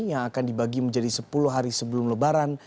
yang akan dibagi menjadi sepuluh hari sebelum lebaran